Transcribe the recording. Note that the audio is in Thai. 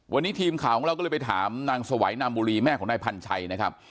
วันนี้ทีมข่าวของเราก็เลยไปถามนางสวัยนามบุรีแม่ของนายพันชัยนะครับ